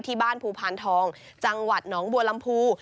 ที่บ้านภูพานทองจังหวัดหนองบัวลำพู